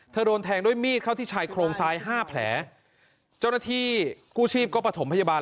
โดนแทงด้วยมีดเข้าที่ชายโครงซ้ายห้าแผลเจ้าหน้าที่กู้ชีพก็ประถมพยาบาล